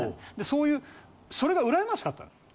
そういうそれが羨ましかったの。